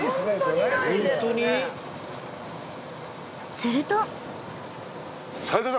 すると。